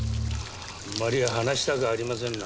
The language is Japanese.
あまり話したくありませんな。